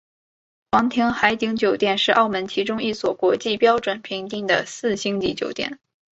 皇庭海景酒店是澳门其中一所国际标准评定的四星级酒店。